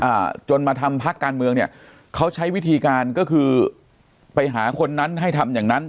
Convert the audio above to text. อ่าจนมาทำพักการเมืองเนี้ยเขาใช้วิธีการก็คือไปหาคนนั้นให้ทำอย่างนั้น